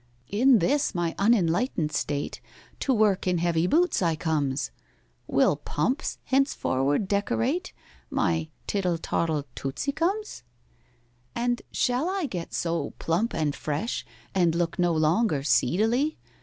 "In this, my unenlightened state, To work in heavy boots I comes; Will pumps henceforward decorate My tiddle toddle tootsicums? "And shall I get so plump and fresh, And look no longer seedily?